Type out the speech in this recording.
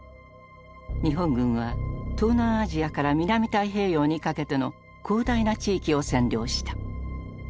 日本軍は東南アジアから南太平洋にかけての広大な地域を占領した。